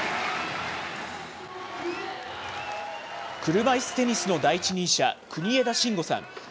車いすテニスの第一人者、国枝慎吾さん。